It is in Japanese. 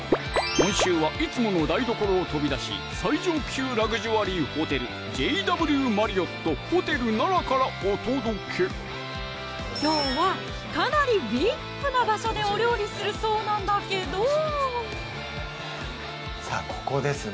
今週はいつもの台所を飛び出し最上級ラグジュアリーホテルＪＷマリオット・ホテル奈良からお届けきょうはかなりＶＩＰな場所でお料理するそうなんだけどさぁここですね